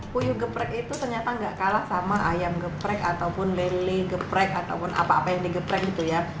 puyuh geprek itu ternyata nggak kalah sama ayam geprek ataupun lele geprek ataupun apa apa yang digeprek gitu ya